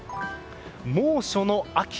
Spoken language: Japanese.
猛暑の秋。